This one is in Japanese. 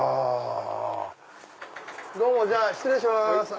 どうもじゃあ失礼します。